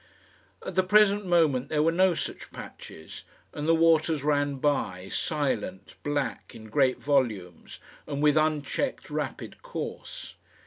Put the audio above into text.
At the present moment there were no such patches; and the waters ran by, silent, black, in great volumes, and with unchecked rapid course.